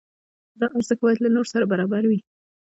دا ارزښت باید له نورو سره برابر وي.